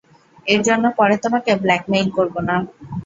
এর জন্য পরে তোমাকে ব্ল্যাকমেইল করব না।